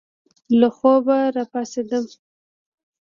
له خوبه را پاڅېدم.